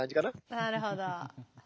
なるほど。